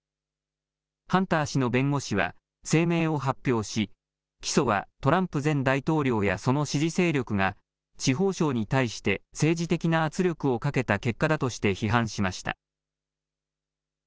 ハンター氏の弁護士は声明を発表し起訴はトランプ前大統領やその支持勢力が司法省に対して政治的な圧力をかけた結果だとして批判しました。